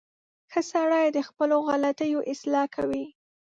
• ښه سړی د خپلو غلطیو اصلاح کوي.